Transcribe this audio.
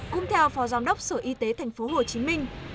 cũng theo phó giám đốc sở y tế tp hcm